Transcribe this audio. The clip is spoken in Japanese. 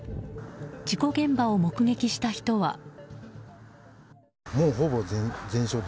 事故現場を目撃した人は。